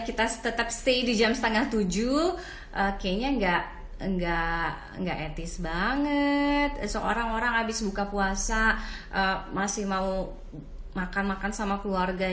kita tetap stay di jam setengah tujuh kayaknya nggak nggak nggak etis banget orang orang habis buka puasa